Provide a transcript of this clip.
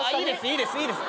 いいですいいです。